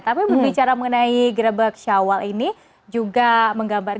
tapi bicara mengenai grebek syawal ini juga menggambar